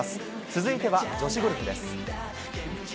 続いては女子ゴルフです。